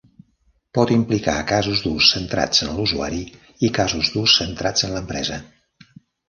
Pot implicar casos d'ús centrats en l'usuari i casos d'ús centrats en l'empresa.